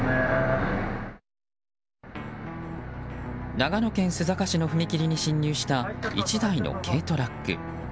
長野県須坂市の踏切に進入した１台の軽トラック。